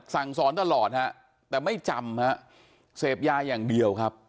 สั่งสอนตลอดฮะแต่ไม่จำฮะเสพยาอย่างเดียวครับ